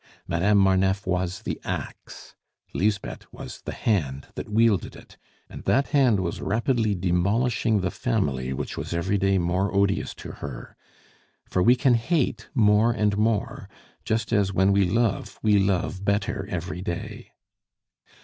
Madame Marneffe was the axe, Lisbeth was the hand the wielded it, and that hand was rapidly demolishing the family which was every day more odious to her; for we can hate more and more, just as, when we love, we love better every day.